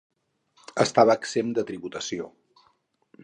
Estava exempt de tributació.